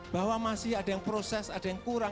bahwa masih ada yang proses ada yang kurang